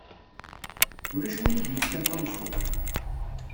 Ulac win i d-yefkan tameẓẓuɣt.